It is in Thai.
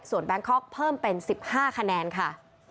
แบงคอกเพิ่มเป็น๑๕คะแนนค่ะ